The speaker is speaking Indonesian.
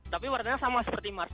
tapi warnanya sama seperti mars